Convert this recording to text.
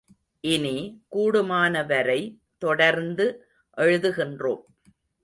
இனி, கூடுமானவரை தொடர்ந்து எழுதுகின்றோம்.